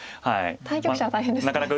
対局者は大変ですよね。